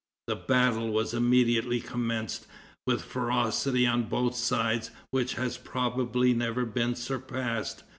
The battle was immediately commenced, with ferocity on both sides which has probably never been surpassed.